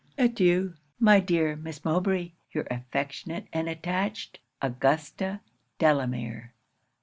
Adieu! my dear Miss Mowbray! your affectionate and attached, AUGUSTA DELAMERE.'